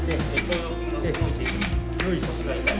はい。